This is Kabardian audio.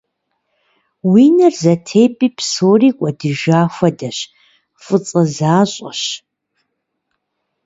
Уи нэр зэтепӀи псори кӀуэдыжа хуэдэщ, фӀыцӀэ защӀэщ.